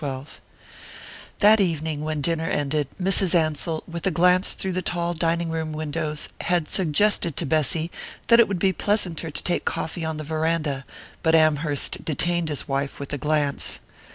XII THAT evening when dinner ended, Mrs. Ansell, with a glance through the tall dining room windows, had suggested to Bessy that it would be pleasanter to take coffee on the verandah; but Amherst detained his wife with a glance.